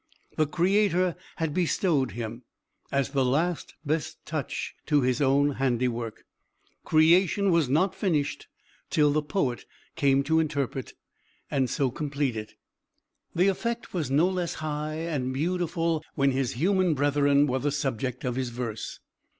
The Creator had bestowed him, as the last best touch to his own handiwork. Creation was not finished till the poet came to interpret, and so complete it. The effect was no less high and beautiful, when his human brethren were the subject of his verse.